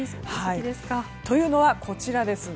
というのは、こちらです。